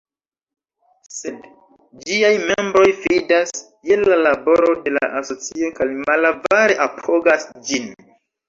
Sed ĝiaj membroj fidas je la laboro de la asocio kaj malavare apogas ĝin.